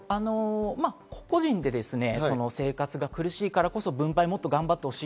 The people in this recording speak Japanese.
個人で生活が苦しいからこそ分配を頑張ってほしい。